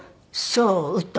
そう。